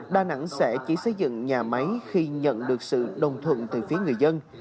đà nẵng sẽ chỉ xây dựng nhà máy khi nhận được sự đồng thuận từ phía người dân